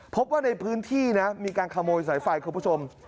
พบว่าในพื้นที่นะมีการขโมยสายไฟคุณผู้ชม